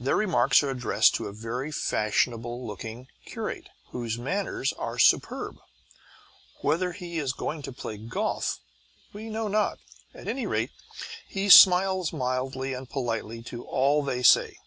Their remarks are addressed to a very fashionable looking curate, whose manners are superb. Whether he is going to play golf we know not; at any rate, he smiles mildly and politely to all they say.